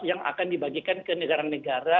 yang akan dibagikan ke negara negara